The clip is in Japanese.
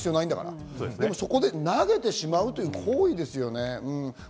そこで投げてしまうという行為ですよね。